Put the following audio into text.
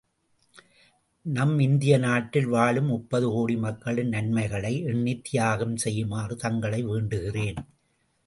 நமது இந்திய நாட்டில் வாழும் முப்பது கோடி மக்களின் நன்மைகளை எண்ணித் தியாகம் செய்யுமாறு தங்களை வேண்டுகின்றேன்.